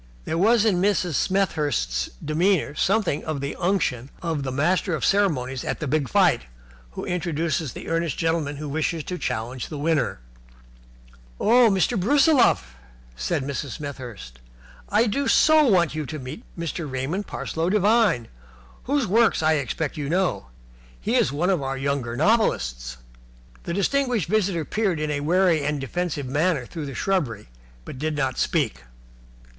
There was in Mrs. Smethurst's demeanour something of the unction of the master of ceremonies at the big fight who introduces the earnest gentleman who wishes to challenge the winner. "Oh, Mr. Brusiloff," said Mrs. Smethurst, "I do so want you to meet Mr. Raymond Parsloe Devine, whose work I expect you know. He is one of our younger novelists." The distinguished visitor peered in a wary and defensive manner through the shrubbery, but did not speak.